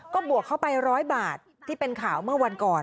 ก็บวกเข้าไป๑๐๐บาทที่เป็นข่าวเมื่อวันก่อน